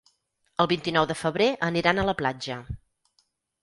El vint-i-nou de febrer aniran a la platja.